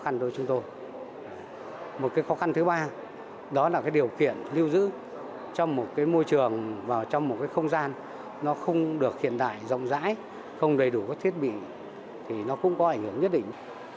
nó không được hiện đại rộng rãi không đầy đủ các thiết bị thì nó cũng có ảnh hưởng nhất định